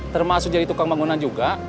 termasuk jadi tukang bangunan juga